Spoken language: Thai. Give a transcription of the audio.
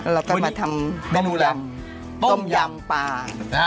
เราก็มาทำเมนูยามต้มยามปลาห้า